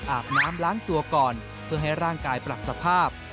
อาบน้ำล้างตัวก่อนเพื่อให้ร่างกายปรับสภาพ